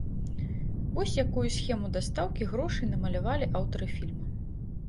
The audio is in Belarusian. Вось якую схему дастаўкі грошай намалявалі аўтары фільма.